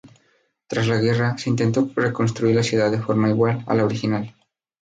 Tras la guerra, se intentó reconstruir la ciudad de forma igual a la original.